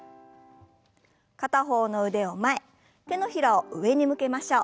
片方の腕を前手のひらを上に向けましょう。